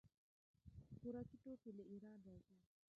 خوراکي توکي له ایران راځي.